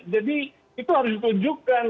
jadi itu harus ditunjukkan